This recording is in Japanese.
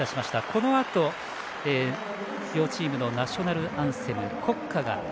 このあと両チームのナショナルアンセム国歌。